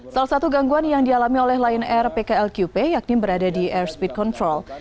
salah satu gangguan yang dialami oleh lion air pklqp yakni berada di airspeed control